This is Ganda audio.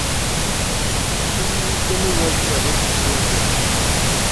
Bye tuliiriddemu lwaki nabyo tobyoza?